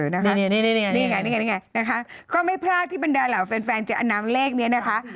นี่ไงนะคะก็ไม่พลาดที่บรรดาเหล่าแฟนจะอนำเลขนี้นะคะ